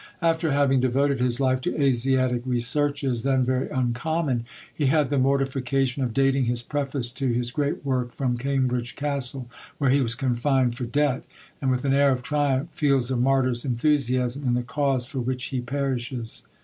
After having devoted his life to Asiatic researches, then very uncommon, he had the mortification of dating his preface to his great work from Cambridge Castle, where he was confined for debt; and, with an air of triumph, feels a martyr's enthusiasm in the cause for which he perishes.